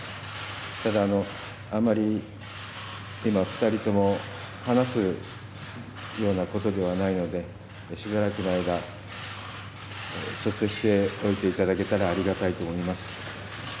ただ、あまり、今、２人とも話すようなことではないので、しばらくの間、そっとしておいていただけたらありがたいと思います。